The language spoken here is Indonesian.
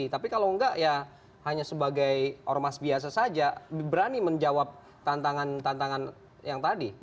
tapi kalau enggak ya hanya sebagai ormas biasa saja berani menjawab tantangan tantangan yang tadi